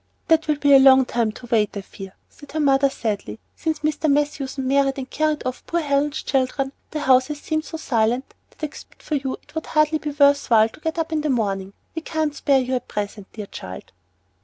"That will be a long time to wait, I fear," said her mother, sadly. "Since Mr. Matthewson married and carried off poor Helen's children, the house has seemed so silent that except for you it would hardly be worth while to get up in the morning. We can't spare you at present, dear child."